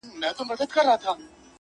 • په مدار مدار یې غاړه تاووله -